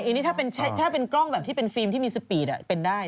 อันนี้ถ้าเป็นกล้องแบบที่เป็นฟิล์มที่มีสปีดเป็นได้